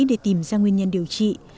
để tìm ra nguyên nhân điều trị